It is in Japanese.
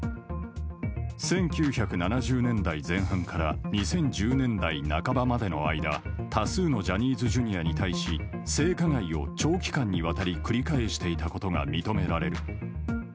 １９７０年代前半から２０１０年代半ばまでの間多数のジャニーズＪｒ．に対し性加害を長期間にわたり繰り返していたことが認められる。